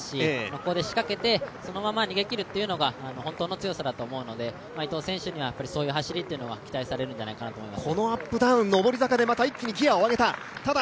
ここで仕掛けて、そのまま逃げきるというのが本当の強さだと思うので伊藤選手にはそういう走りっていうのが期待されるんじゃないかと思います。